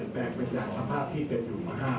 เปลี่ยนแปลกกับสภาพที่จะอยู่ห้าง